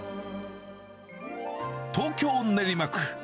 東京・練馬区。